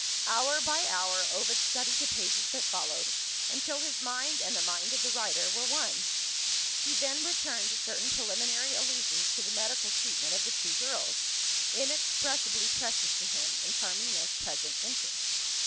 Hour by hour, Ovid studied the pages that followed, until his mind and the mind of the writer were one. He then returned to certain preliminary allusions to the medical treatment of the two girls inexpressibly precious to him, in Carmina's present interests.